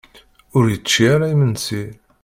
Ur yečči ara imensi?